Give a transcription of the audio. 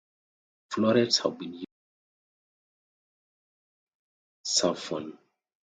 Florets have been used as imitation saffron.